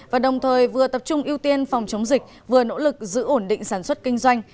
và đồng thời vừa tập trung ưu tiên phòng chống dịch vừa nỗ lực giữ ổn định sản xuất kinh doanh